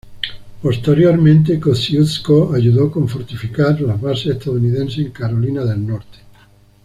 Posteriormente, Kościuszko ayudó con fortificar las bases estadounidenses en Carolina del Norte.